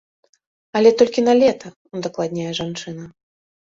Але толькі на лета, удакладняе жанчына.